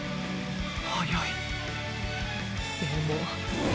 速いでも。